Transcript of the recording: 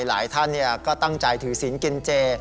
หลายท่านก็ตั้งใจถือศีลกินเจ